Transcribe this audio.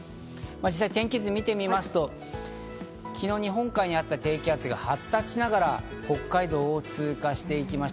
天気図を見てみますと、昨日、日本海にあった低気圧が発達しながら北海道を通過して行きました。